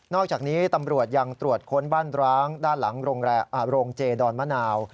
อกจากนี้ตำรวจยังตรวจค้นบ้านร้างด้านหลังโรงเจดอนมะนาว